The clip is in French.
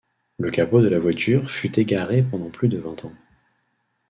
Le capot de la voiture fut égaré pendant plus de vingt ans.